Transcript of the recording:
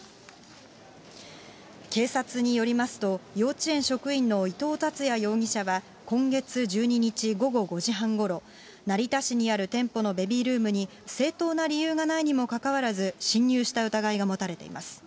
警察によりますと、幼稚園職員の伊藤達也容疑者は今月１２日午後５時半ごろ、成田市にある店舗のベビールームに正当な理由がないにもかかわらず、侵入した疑いが持たれています。